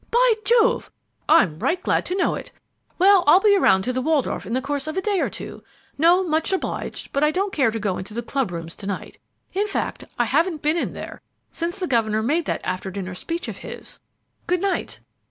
By Jove! I'm right glad to know it. Well, I'll be around to the Waldorf in the course of a day or two No, much obliged, but I don't care to go into the club rooms to night; in fact, I haven't been in there since the governor made that after dinner speech of his. Good night!"